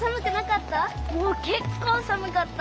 もうけっこうさむかった。